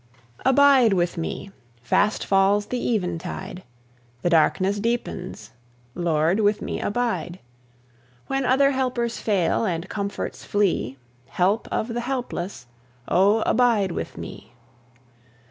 Abide with me! fast falls the eventide; The darkness deepens; Lord, with me abide! When other helpers fail, and comforts flee, Help of the helpless, O abide with me.